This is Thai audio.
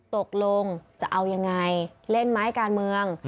ตกลงจะเอายังไงเล่นไหมการเมือง